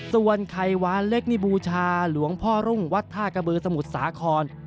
ส่วนไข่หวานเล็กนี่บูชาหลวงพ่อรุ่งวัดท่ากระบือสมุทรสาคร